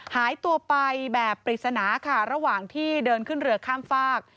หายตัวไปแบบปริศนาค่ะระหว่างที่เดินขึ้นเรือข้ามฝาก